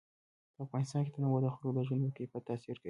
په افغانستان کې تنوع د خلکو د ژوند په کیفیت تاثیر کوي.